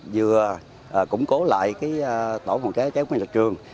vừa củng cố lại tổ phòng cháy chữa cháy của nhà trường